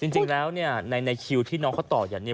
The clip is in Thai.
จริงแล้วในคิวที่น้องเขาต่ออย่างนี้